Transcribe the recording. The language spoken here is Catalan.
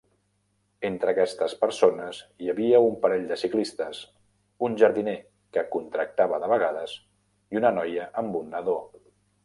Entre aquestes persones hi havia un parell de ciclistes, un jardiner que contractava de vegades i una noia amb un nadó.